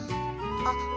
あっ。